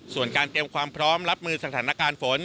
ส่วนการเตรียมความพร้อมรับมือสถานการณ์ฝน